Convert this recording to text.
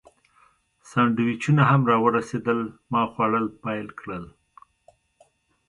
سانډویچونه هم راورسېدل، ما خوړل پیل کړل.